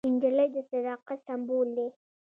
نجلۍ د صداقت سمبول ده.